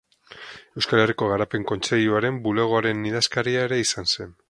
Euskal Herriko Garapen Kontseiluaren bulegoaren idazkaria ere izan zen.